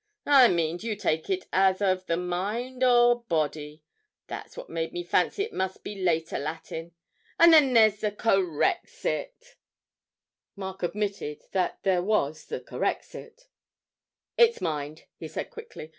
'I mean, do you take it as of the mind or body (that's what made me fancy it must be later Latin). And then there's the correxit?' Mark admitted that there was the 'correxit.' 'It's mind,' he said quickly.